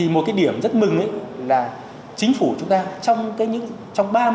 một điểm rất mừng là chính phủ chúng ta trong ba năm